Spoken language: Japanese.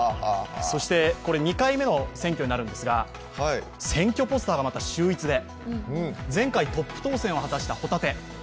２回目の選挙になるんですが、選挙ポスターが秀逸で前回、トップ当選を果たしたホタテ